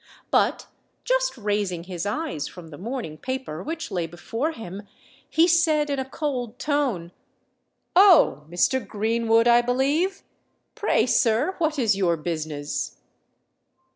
But, just raising his eyes from the morning paper which lay before him, he said in a cold tone, "Oh! Mr. Greenwood, I believe? Pray, sir, what is your business?"